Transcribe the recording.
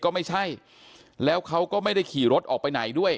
ก็ไม่ใช่แล้วเขาก็ไม่ได้ขี่รถออกไปไหนด้วย